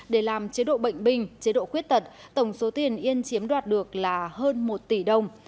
để làm chế độ bệnh binh chế độ khuyết tật tổng số tiền yên chiếm đoạt được là hơn một tỷ đồng